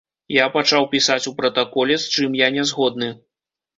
Я пачаў пісаць у пратаколе, з чым я нязгодны.